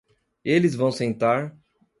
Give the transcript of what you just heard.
Eles vão sentar